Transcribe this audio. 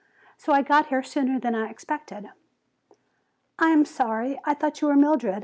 So I got here sooner than I expected." "I am sorry. I thought you were Mildred.